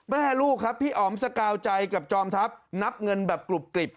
แม่ลูกครับพี่อ๋อมสกาวใจกับจอมทัพนับเงินแบบกรุบกริบ